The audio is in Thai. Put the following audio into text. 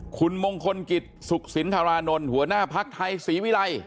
คุณมงคลกิจสุขสินธารานนท์หัวหน้าภักดิ์ไทยศรีวิรัย